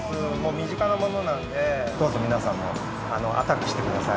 身近なものなんで、どうぞ皆さんもアタックしてください。